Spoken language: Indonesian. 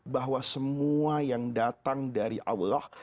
bahwa semua yang datang dari allah